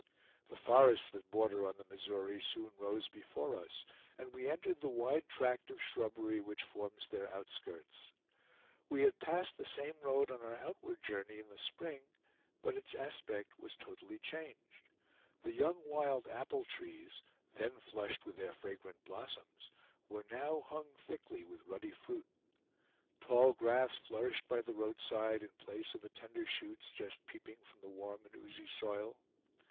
The forests that border on the Missouri soon rose before us, and we entered the wide tract of shrubbery which forms their outskirts. We had passed the same road on our outward journey in the spring, but its aspect was totally changed. The young wild apple trees, then flushed with their fragrant blossoms, were now hung thickly with ruddy fruit. Tall grass flourished by the roadside in place of the tender shoots just peeping from the warm and oozy soil.